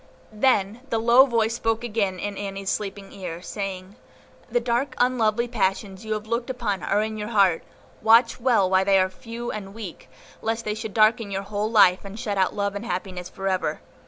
Then the low voice spoke again in Annie's sleeping ear, saying, "The dark, unlovely passions you have looked upon are in your heart; watch well while they are few and weak, lest they should darken your whole life, and shut out love and happiness for ever.